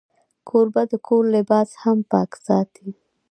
کوربه د کور لباس هم پاک ساتي.